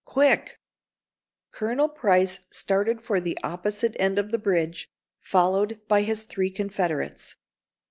Quick!" Colonel Price started for the opposite end of the bridge, followed by his three confederates.